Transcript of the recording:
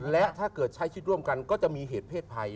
และถ้าเกิดใช้ชีวิตร่วมกันก็จะมีเหตุเพศภัย